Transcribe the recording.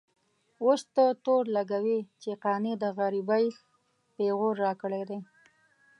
اوس ته تور لګوې چې قانع د غريبۍ پېغور راکړی دی.